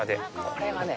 これがね